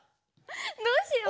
どうしよう！